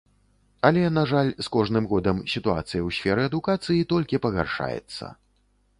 Але, на жаль, з кожным годам сітуацыя ў сферы адукацыі толькі пагаршаецца.